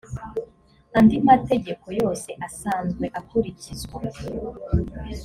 andi mategeko yose asanzwe akurikizwa